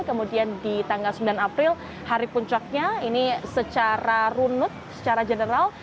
kemudian di tanggal sembilan april hari puncaknya ini secara runut secara general